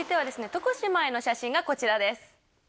床姉妹の写真がこちらです。